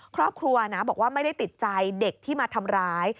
ครอบครัวนะบอกว่าไม่ได้ติดใจเด็กที่มาทำร้าย